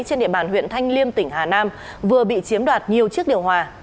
trên địa bàn huyện thanh liêm tỉnh hà nam vừa bị chiếm đoạt nhiều chiếc điều hòa